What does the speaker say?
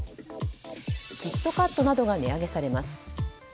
キットカットなどが値上げされます。